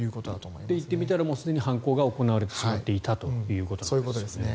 で、行ってみたらもうすでに犯行が行われてしまっていたということですね。